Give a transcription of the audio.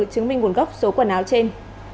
chứng minh nguồn gốc số quần áo trên